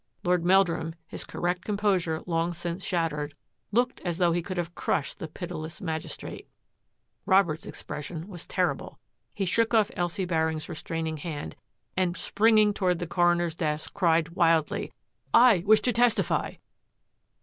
Lord Meldrum, his correct composure long since shattered, looked as though he could have crushed the pitiless magis trate. Robert's expression was terrible. He shook off Elsie Baring's restraining hand, and springing toward the coroner's desk, cried wildly, " I wish to testify